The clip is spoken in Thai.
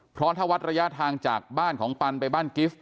เพราะถ้าวัดระยะทางจากบ้านของปันไปบ้านกิฟต์